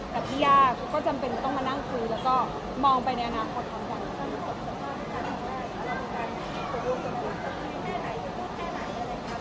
แต่พี่ย่าก็จำเป็นจะต้องมานั่งคุยแล้วก็มองไปในอนาคตความหวัง